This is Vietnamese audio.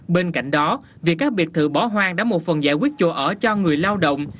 bên cạnh đó việc các biệt thự bỏ hoang đã một phần giải quyết chỗ ở cho người lao động